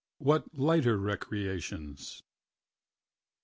What lighter recreations?